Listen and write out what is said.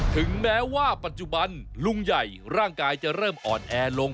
ถึงแม้ว่าปัจจุบันลุงใหญ่ร่างกายจะเริ่มอ่อนแอลง